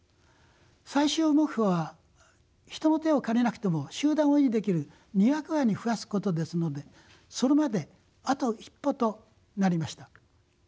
最終目標は人の手を借りなくても集団を維持できる２００羽に増やすことですのでそれまであと一歩となりました。